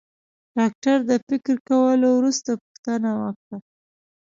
ډاکټر د فکر کولو وروسته پوښتنه وکړه.